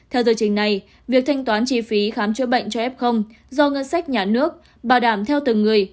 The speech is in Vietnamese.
theo giờ trình này việc thanh toán chi phí khám chữa bệnh cho f do ngân sách nhà nước bảo đảm theo từng người